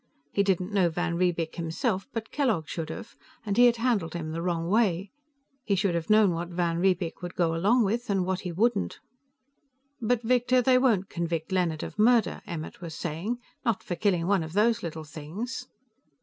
He didn't know van Riebeek himself, but Kellogg should have, and he had handled him the wrong way. He should have known what van Riebeek would go along with and what he wouldn't. "But, Victor, they won't convict Leonard of murder," Emmert was saying. "Not for killing one of those little things."